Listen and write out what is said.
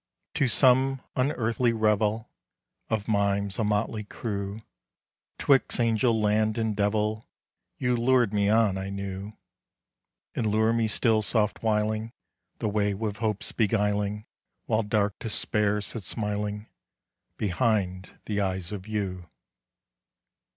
To some unearthly revel Of mimes, a motley crew, 'Twixt Angel land and Devil, You lured me on, I knew, And lure me still! soft whiling The way with hopes beguiling, While dark Despair sits smiling Behind the eyes of you!